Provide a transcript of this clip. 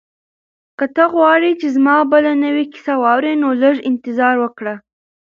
که ته غواړې چې زما بله نوې کیسه واورې نو لږ انتظار وکړه.